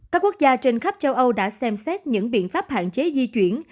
các quốc gia trên khắp châu âu đã xem xét những biện pháp hạn chế di chuyển